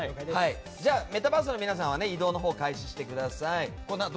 じゃあ、メタバースの皆さんは移動を開始してください。